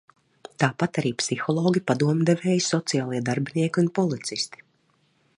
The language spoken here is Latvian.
Tāpat arī psihologi, padomdevēji, sociālie darbinieki un policisti.